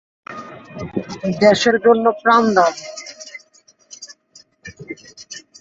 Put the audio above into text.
দেশের জন্য প্রাণ দাও।